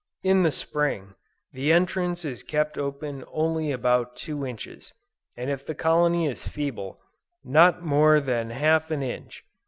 In the Spring, the entrance is kept open only about two inches, and if the colony is feeble, not more than half an inch.